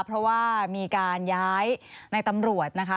เพราะว่ามีการย้ายในตำรวจนะคะ